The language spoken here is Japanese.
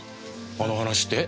あの話って？